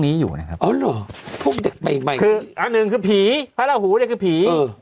นี้อยู่น่ะครับเรานึงคือผีภารหูนี่คือผี